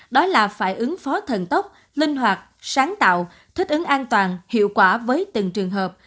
đó là phải ứng phó thần tốc linh hoạt sáng tạo thích ứng an toàn hiệu quả với từng trường hợp